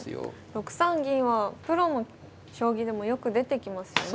６三銀はプロの将棋でもよく出てきますよね。